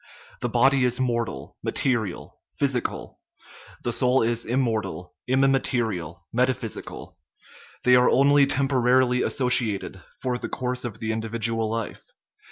The body is mortal, material, physical; the soul is immortal, immaterial, metaphysical. They are only temporarily associated, for the course of the individual life.